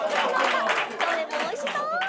どれもおいしそう！